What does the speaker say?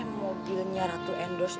ini kayak mobilnya ratu endorse itu